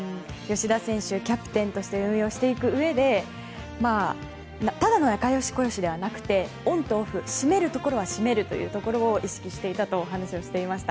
吉田選手キャプテンとして運営していくうえでただの仲良しこよしじゃなくてオンとオフ締めるところは締めるというのを意識していたと話をしていました。